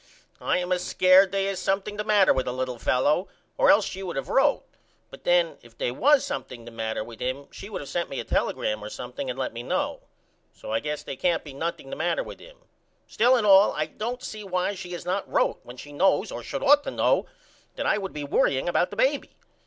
I am a scared they is something the matter with the little fellow or else she would of wrote but then if they was something the matter with him she would of sent me a telegram or something and let me know. So I guess they can't be nothing the matter with him. Still and all I don't see why she has not wrote when she knows or should ought to know that I would be worrying about the baby.